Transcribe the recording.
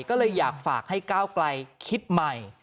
ก็เลยอยากฝากให้ก้าวไกลคิดใหม่